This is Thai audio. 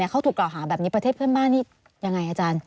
เขาถูกกล่าวหาแบบนี้ประเทศเพื่อนบ้านนี่ยังไงอาจารย์